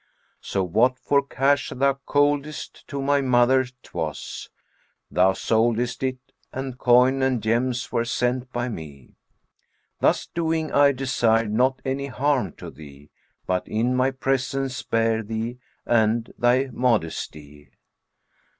So what for cash thou coldest, to my mother 'twas * Thou soldest it, and coin and gems were sent by me. Thus doing I desired not any harm to thee * But in my presence spare thee and thy modesty."